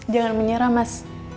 jangan menyerah mas